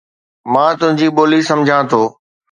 مان تنهنجي ٻولي سمجهان ٿو.